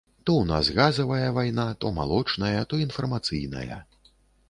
То ў нас газавая вайна, то малочная, то інфармацыйная.